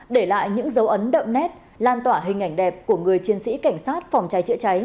để lại những dấu ấn đậm nét lan tỏa hình ảnh đẹp của người chiến sĩ cảnh sát phòng cháy chữa cháy